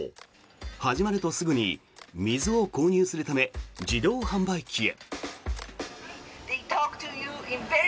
始まるとすぐに水を購入するため自動販売機へ。